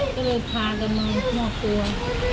ก็เลยพากันมามอบตัว